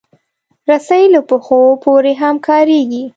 رسۍ له پښو پورې هم کارېږي.